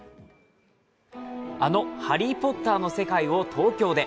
あの「ハリー・ポッター」の世界を東京で。